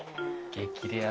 激レア。